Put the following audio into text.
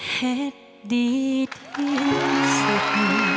เห็ดดีที่สุข